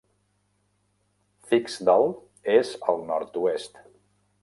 Fiksdal és al nord-oest.